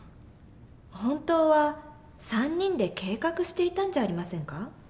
本当は３人で計画していたんじゃありませんか？